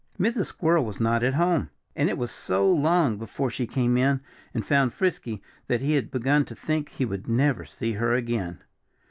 Mrs. Squirrel was not at home. And it was so long before she came in and found Frisky that he had begun to think he would never see her again.